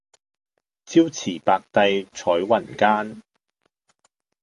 朝辭白帝彩雲間